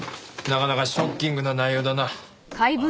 なかなかショッキングな内容だな。